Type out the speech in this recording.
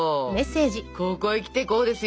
ここへ来てこうですよ。